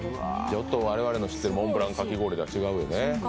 ちょっと我々の知ってるモンブランかき氷とは違うよね。